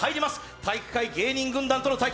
体育会芸人軍団との対決。